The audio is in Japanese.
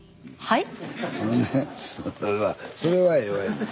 はい。